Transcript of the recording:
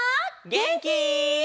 げんき？